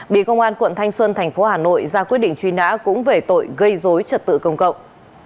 bị công an quận thanh xuân thành phố hà nội ra quyết định truy nã cũng về tội gây dối trật tự công cộng